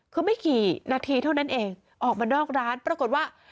คือไม่กี่นาทีเท่านั้นเองออกมานอกร้านปรากฏว่า